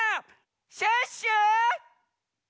シュッシュ！